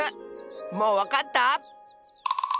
もうわかった？